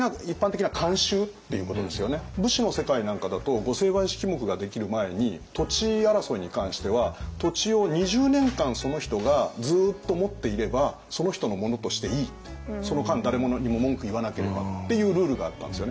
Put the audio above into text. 武士の世界なんかだと御成敗式目ができる前に土地争いに関しては土地を２０年間その人がずっと持っていればその人のものとしていいってその間誰も何も文句言わなければっていうルールがあったんですよね。